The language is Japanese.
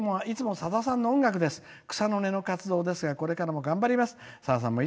いつもさださんの音楽で草の根の活動ですがこれからも頑張ります。